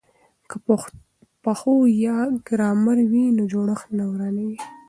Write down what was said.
که پښویه یا ګرامر وي نو جوړښت نه ورانیږي.